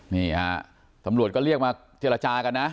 นี่ฮะตำรวจก็เรียกมาเจรจากันนะ